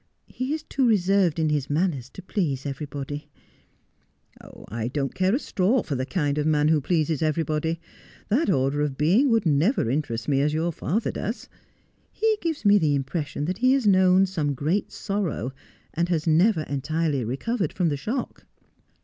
He is too reserved in his manners to please everybody.' ' I don't care a straw for the kind of man who pleases every body. That order of being would never interest me as your father does. He gives me the impression that he has known some great sorrow, and has never entirely recovered from the shock.'